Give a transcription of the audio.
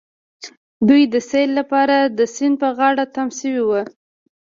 دوی د سيل لپاره د سيند په غاړه تم شوي وو.